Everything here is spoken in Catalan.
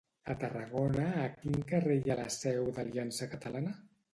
A Tarragona a quin carrer hi ha la Seu d'Aliança Catalana?